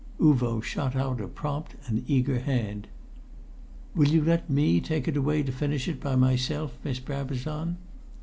Uvo shot out a prompt and eager hand. "Will you let me take it away to finish by myself, Miss Brabazon?"